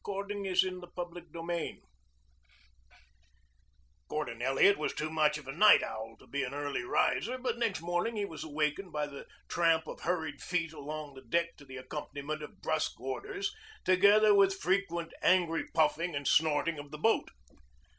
CHAPTER III THE GIRL FROM DROGHEDA Gordon Elliot was too much of a night owl to be an early riser, but next morning he was awakened by the tramp of hurried feet along the deck to the accompaniment of brusque orders, together with frequent angry puffing and snorting of the boat.